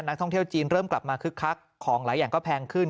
นักท่องเที่ยวจีนเริ่มกลับมาคึกคักของหลายอย่างก็แพงขึ้น